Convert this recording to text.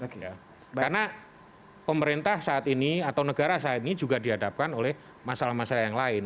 karena pemerintah saat ini atau negara saat ini juga dihadapkan oleh masalah masalah yang lain